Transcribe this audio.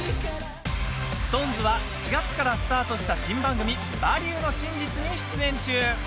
ＳｉｘＴＯＮＥＳは４月からスタートした新番組「バリューの真実」に出演中。